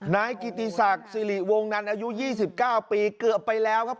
นายกิตีศักดิ์สิริวงฯนั้นอายุยี่สิบเก้าปีเกือกไปแล้วครับ